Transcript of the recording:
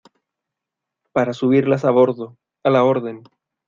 para subirlas a bordo. a la orden .